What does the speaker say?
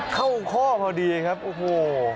เข้าข้อพอดีครับโอ้โห